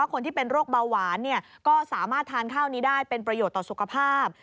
คนที่เป็นโรคเบาหวานก็สามารถทานข้าวนี้ได้เป็นประโยชน์ต่อสุขภาพ